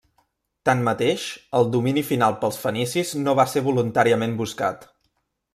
Tanmateix, el domini final pels fenicis no va ser voluntàriament buscat.